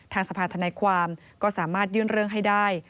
ทางสภาธนายความก็สามารถยื่นเรื่องให้ได้